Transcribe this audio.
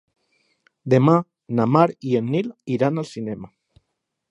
Demà na Mar i en Nil iran al cinema.